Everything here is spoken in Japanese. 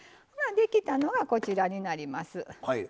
できたのが、こちらになります。